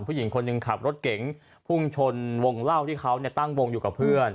ผู้หญิงคนหนึ่งขับรถเก๋งพุ่งชนวงเล่าที่เขาตั้งวงอยู่กับเพื่อน